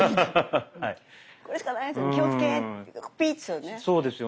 これしかないですよね。